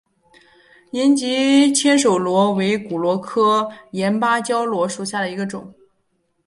岩棘千手螺为骨螺科岩芭蕉螺属下的一个种。